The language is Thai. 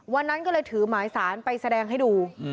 วันนั้นก็เลยถือหมายสารไปแสดงให้ดู